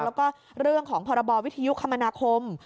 แล้วก็เรื่องของพรบวิทยุคมนาคม